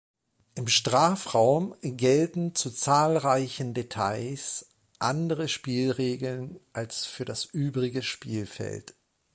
Im Strafraum gelten zu zahlreichen Details andere Spielregeln als für das übrige Spielfeld.